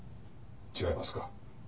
違いますか？」